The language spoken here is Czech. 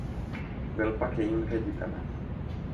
Byl pak jejím ředitelem.